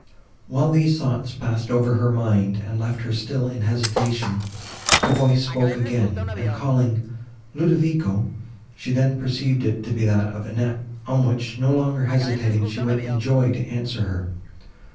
While these thoughts passed over her mind, and left her still in hesitation, the voice spoke again, and, calling "Ludovico," she then perceived it to be that of Annette; on which, no longer hesitating, she went in joy to answer her.